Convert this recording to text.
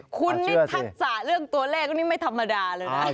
คุณนี่ทักษะเรื่องตัวเลขนี่ไม่ธรรมดาเลยนะ